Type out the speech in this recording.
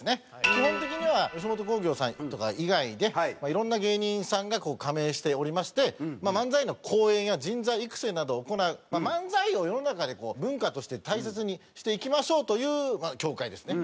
基本的には吉本興業さんとか以外でいろんな芸人さんが加盟しておりまして漫才の公演や人材育成などを行う漫才を世の中に文化として大切にしていきましょうという協会ですね。